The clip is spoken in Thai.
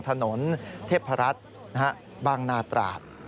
ถนนเทพรัฐบางนาตราด